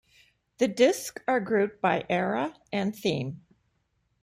The discs are grouped by era and theme.